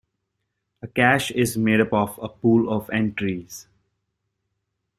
A cache is made up of a pool of entries.